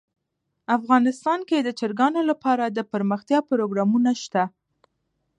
افغانستان کې د چرګانو لپاره دپرمختیا پروګرامونه شته.